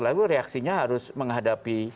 lalu reaksinya harus menghadapi